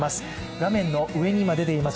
画面の上にいま、出ています